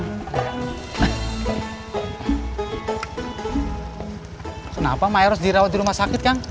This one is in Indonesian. kenapa mayoros dirawat di rumah sakit kang